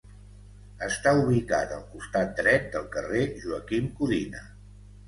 Està ubicat al costat dret del carrer Joaquim Codina.